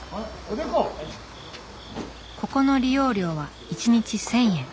ここの利用料は１日１，０００円。